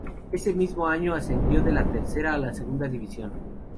Ese mismo año ascendió de la tercera a la segunda división.